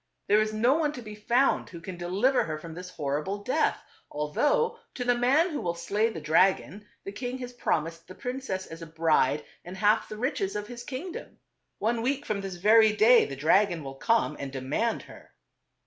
There is no one to be found who can deliver her from this horrible death, although to the man who will slay the dragon, the king has promised the prin cess as a bride and half the riches of his king dom. One week from this very day the dragon will come and demand her."